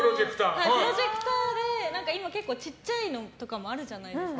プロジェクターで今、結構小さいのとかあるじゃないですか。